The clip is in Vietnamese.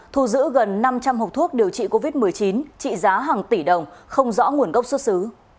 thu giữ gần năm trăm linh hộp thuốc điều trị covid một mươi chín trị giá hàng tỷ đồng không rõ nguồn gốc xuất xứ